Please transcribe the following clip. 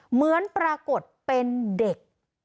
เหมือนปรากฏเป็นเด็ก